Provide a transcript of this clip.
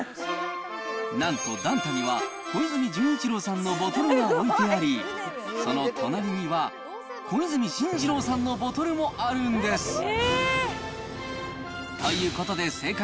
なんと壇太には、小泉純一郎さんのボトルが置いてあり、その隣には、小泉進次郎さんのボトルもあるんです。